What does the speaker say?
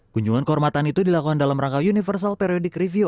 kunjungan kehormatan itu dilakukan dalam rangka universal periodik review